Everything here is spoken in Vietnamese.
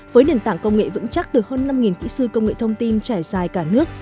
với nền tảng công nghệ vững chắc từ hơn năm kỹ sư công nghệ thông tin trải dài cả nước